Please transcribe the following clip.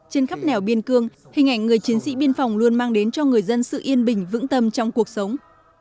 trên khắp nẻo biên cương hình ảnh người chiến sĩ biên phòng luôn mang đến cho người dân sự yên bình vững tâm trong cuộc sống